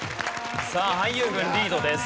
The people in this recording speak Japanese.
さあ俳優軍リードです。